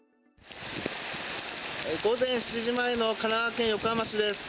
午前７時前の神奈川県横浜市です。